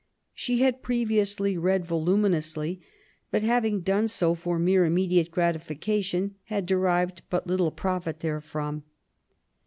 She had previously read voluminously, but, having done so for mere immediate gratification^ had derived but little profit therefrom.